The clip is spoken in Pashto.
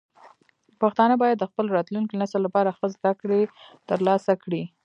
پښتانه باید د خپل راتلونکي نسل لپاره ښه زده کړې ترلاسه کړي.